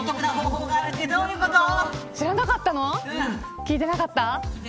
聞いてなかった。